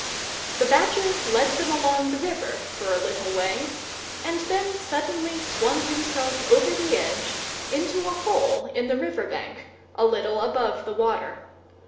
The Badger led them along by the river for a little way, and then suddenly swung himself over the edge into a hole in the river bank, a little above the water.